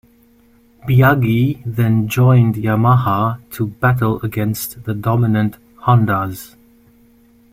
Biaggi then joined Yamaha to battle against the dominant Hondas.